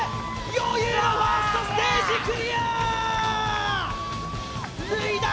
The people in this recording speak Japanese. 余裕のファーストステージクリア脱いだ！